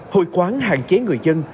hội quán hạn chế người dân